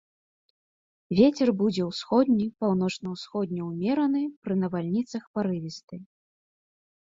Вецер будзе ўсходні, паўночна-ўсходні ўмераны, пры навальніцах парывісты.